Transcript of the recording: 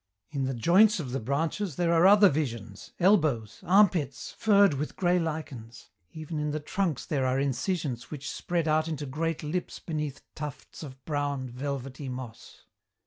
In the joints of the branches there are other visions, elbows, armpits furred with grey lichens. Even in the trunks there are incisions which spread out into great lips beneath tufts of brown, velvety moss.